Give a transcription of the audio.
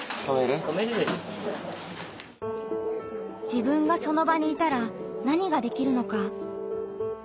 自分がその場にいたら何ができるのか。